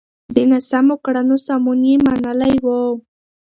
د ناسمو کړنو سمون يې منلی و.